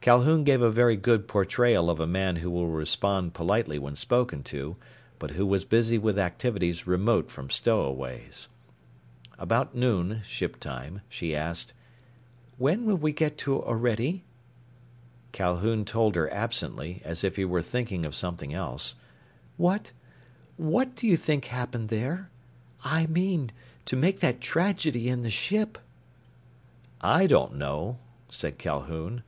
Calhoun gave a very good portrayal of a man who will respond politely when spoken to, but who was busy with activities remote from stowaways. About noon, ship time, she asked, "When will we get to Orede?" Calhoun told her absently, as if he were thinking of something else. "What what do you think happened there? I mean, to make that tragedy in the ship." "I don't know," said Calhoun.